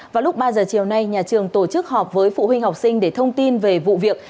vào lúc ba giờ chiều nay nhà trường tổ chức họp với phụ huynh học sinh để thông tin về vụ việc